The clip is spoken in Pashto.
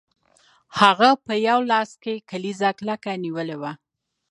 هغه په یو لاس کې کلیزه کلکه نیولې وه